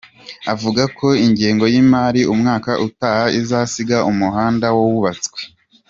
Avuga ko ingengo y’ imari y’ umwaka utaha izasiga umuhanda wubatswe.